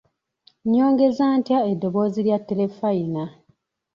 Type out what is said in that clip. Nnyongeza ntya eddoboozi lya terefalina?